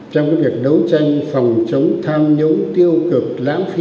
trong việc đấu tranh phòng chống tham nhũng tiêu cực lãng phí